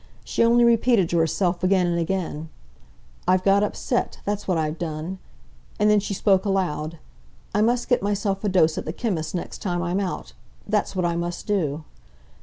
She only repeated to herself again and again, "I've got upset—that's what I've done," and then she spoke aloud, "I must get myself a dose at the chemist's next time I'm out. That's what I must do."